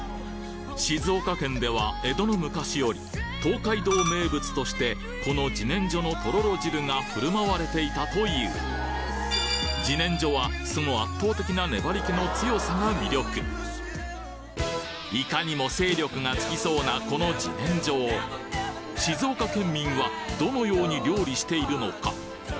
静岡県では江戸の昔より東海道名物としてこの自然薯のとろろ汁がふるまわれていたという自然薯はその圧倒的な粘り気の強さが魅力いかにも精力がつきそうなこの自然薯を静岡県民はどのように料理しているのか？